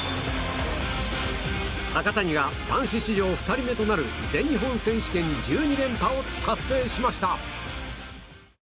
高谷は男子史上２人目となる全日本選手権１２連覇を達成しました。